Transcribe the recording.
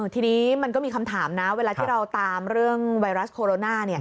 ทีนี้มันก็มีคำถามนะเวลาที่เราตามเรื่องไวรัสโคโรนา